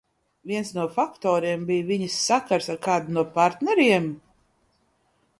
Vai viens no faktoriem bija viņas sakars ar kādu no partneriem?